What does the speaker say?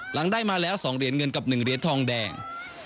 หลังได้มาแล้ว๒เหรียญเงินกับ๑เหรียญทองแดง